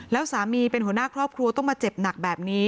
แล้วสามีเป็นหัวหน้าครอบครัวต้องมาเจ็บหนักแบบนี้